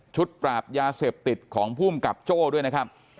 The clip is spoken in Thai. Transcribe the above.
ปราบยาเสพติดของภูมิกับโจ้ด้วยนะครับ